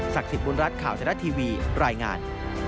ศักดิ์สิทธิ์บุญรัฐข่าวแทนรัฐทีวีรายงาน